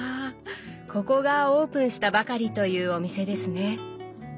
ここがオープンしたばかりというお店ですね。